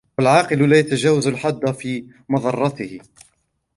وَالْعَاقِلُ لَا يَتَجَاوَزُ الْحَدَّ فِي مَضَرَّتِهِ